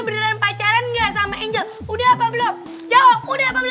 berdarah pacaran nggak sama angel sudah aphabila jawa aku udah b roads